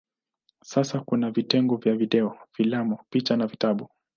Sasa kuna vitengo vya video, filamu, picha na vitabu.